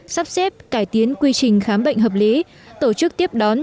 sắp xếp cải tiến quy trình khám bệnh hợp lý tổ chức tiếp đón